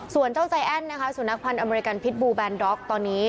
ส่วนเจ้าใจแอ้นนะคะสุนัขพันธ์อเมริกันพิษบูแบนด็อกตอนนี้